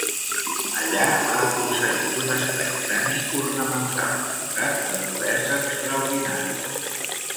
Allà, ha aconseguit un estrany crani ornamental, dotat de poders extraordinaris.